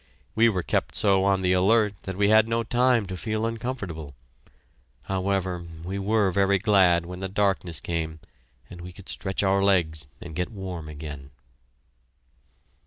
We were kept so on the alert that we had no time to feel uncomfortable. However, we were very glad when the darkness came and we could stretch our legs and get warm again.